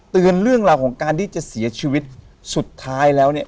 เรื่องราวของการที่จะเสียชีวิตสุดท้ายแล้วเนี่ย